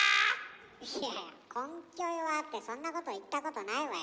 いやいや「こんキョエは」ってそんなこと言ったことないわよね。